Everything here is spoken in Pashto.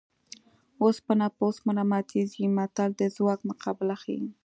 اوسپنه په اوسپنه ماتېږي متل د ځواک مقابله ښيي